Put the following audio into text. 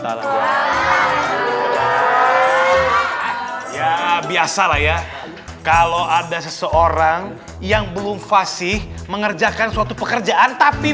salah ya biasalah ya kalau ada seseorang yang belum fasih mengerjakan suatu pekerjaan tapi